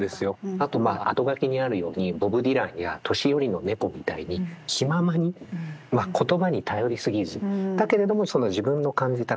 あとまあ後書きにあるようにボブ・ディランや年寄りの猫みたいに気ままに言葉に頼り過ぎずだけれどもその自分の感じた